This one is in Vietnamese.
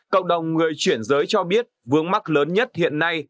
cộng đồng người chuyển giới cho biết vướng mắt lớn nhất hiện nay